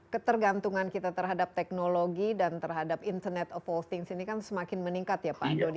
ketergantungan kita terhadap teknologi dan terhadap internet of all things ini kan semakin meningkat ya pak dodi